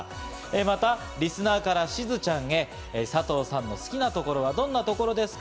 また、リスナーからしずちゃんへ、佐藤さんの好きなところはどんなところですか？